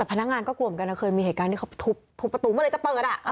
แต่พนักงานก็กลวมกันเคยมีเหตุการณ์ที่เขาถูปประตูไม่เลยจะเปิด